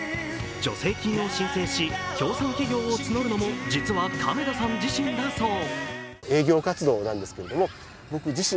助成金を申請し、協賛企業を募るのも、実は亀田さん自身だそう。